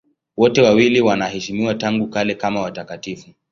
Wote wawili wanaheshimiwa tangu kale kama watakatifu.